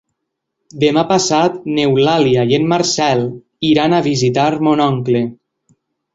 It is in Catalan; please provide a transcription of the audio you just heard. Demà passat n'Eulàlia i en Marcel iran a visitar mon oncle.